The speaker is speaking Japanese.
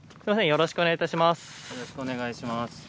よろしくお願いします。